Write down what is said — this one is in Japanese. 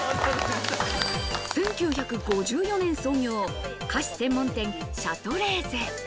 １９５４年創業、菓子専門店シャトレーゼ。